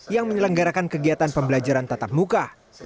yang menyelenggarakan kegiatan pembelajaran tatap muka